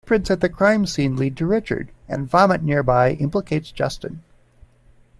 Footprints at the crime scene lead to Richard, and vomit nearby implicates Justin.